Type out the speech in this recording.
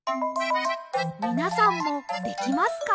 みなさんもできますか？